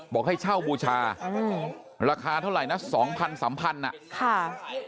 บอกให้เช่าบูชาราคาเท่าไหร่นะสองพันสามพันอ่ะค่ะ